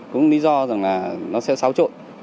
cũng lý do rằng là nó sẽ xáo trộn